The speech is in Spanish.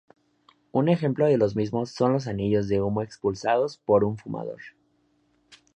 Un ejemplo de los mismos son los anillos de humo expulsados por un fumador.